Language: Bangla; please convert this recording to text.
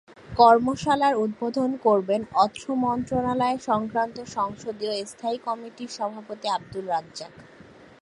কর্মশালার উদ্বোধন করবেন অর্থ মন্ত্রণালয় সংক্রান্ত সংসদীয় স্থায়ী কমিটির সভাপতি আবদুর রাজ্জাক।